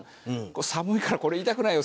サムいからこれ言いたくないよ